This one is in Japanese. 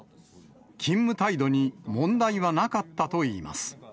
勤務態度に問題はなかったといいます。